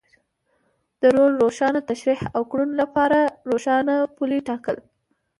د رول روښانه تشرېح او کړنو لپاره روښانه پولې ټاکل.